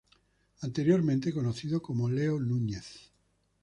Anteriormente conocido como Leo Núñez.